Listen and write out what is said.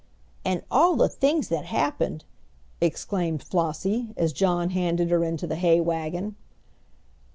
"And all the things that happened!" exclaimed Flossie, as John handed her into the hay wagon.